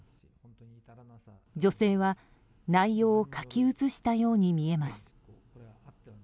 女性は内容を書き写したように見えます。